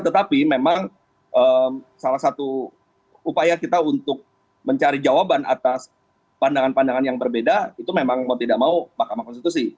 tetapi memang salah satu upaya kita untuk mencari jawaban atas pandangan pandangan yang berbeda itu memang mau tidak mau mahkamah konstitusi